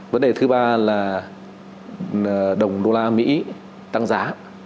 vấn đề thứ ba là đồng đô la mỹ tăng giá